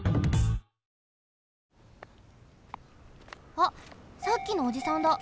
あっさっきのおじさんだ。